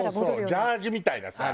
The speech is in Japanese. ジャージーみたいなさ。